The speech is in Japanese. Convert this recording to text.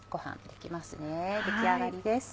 出来上がりです。